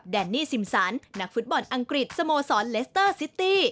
แดนนี่ซิมสันนักฟุตบอลอังกฤษสโมสรเลสเตอร์ซิตี้